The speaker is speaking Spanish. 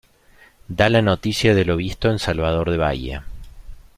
Da la noticia de lo visto en Salvador de Bahía.